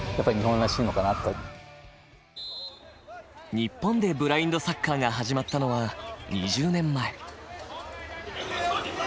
日本でブラインドサッカーが始まったのは、２０年前。